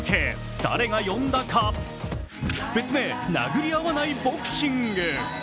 誰が呼んだか、別名・殴り合わないボクシング。